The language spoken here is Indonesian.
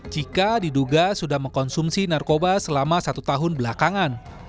jika diduga sudah mengkonsumsi narkoba selama satu tahun belakangan